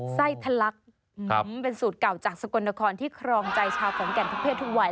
ไส้ทะลักเป็นสูตรเก่าจากสกลนครที่ครองใจชาวขอนแก่นทุกเพศทุกวัย